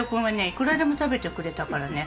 いくらでも食べてくれたからね。